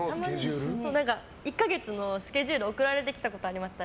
１か月のスケジュール送られてきたことありました。